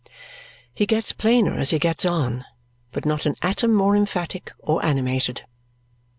He gets plainer as he gets on, but not an atom more emphatic or animated.